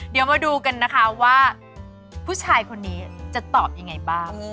เดี๋ยวมาดูกันนะคะว่าผู้ชายคนนี้จะตอบยังไงบ้าง